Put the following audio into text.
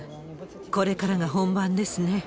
これからが本番ですね。